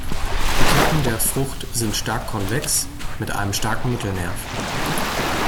Die Klappen der Frucht sind stark konvex, mit einem starken Mittelnerv.